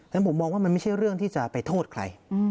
ฉะผมมองว่ามันไม่ใช่เรื่องที่จะไปโทษใคร